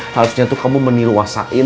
harusnya itu kamu meniluasain